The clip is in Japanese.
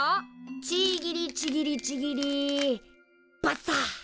ちぎりちぎりちぎりバッサ！